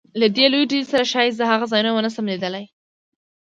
له دې لویې ډلې سره ښایي زه هغه ځایونه ونه شم لیدلی.